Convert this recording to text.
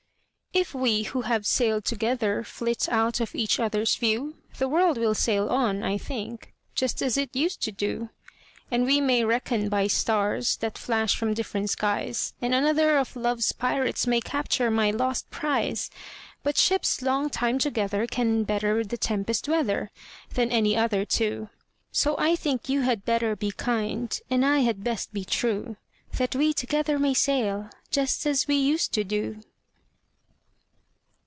III. If we who have sailed together Flit out of each other's view, The world will sail on, I think, Just as it used to do; And we may reckon by stars That flash from different skies, And another of love's pirates May capture my lost prize; But ships long time together Can better the tempest weather Than any other two; So I think you had better be kind, And I had best be true, That we together may sail, Just as we used to do.